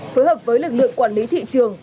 phối hợp với lực lượng quản lý thị trường